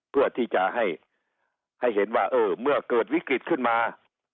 เพื่อที่จะให้เห็นว่าเออเมื่อเกิดวิกฤตขึ้นมา